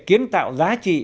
kiến tạo giá trị